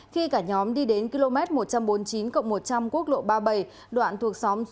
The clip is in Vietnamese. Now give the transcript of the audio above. khi cả nhóm đi đến km một trăm bốn mươi chín cộng một trăm linh quốc lộ ba mươi bảy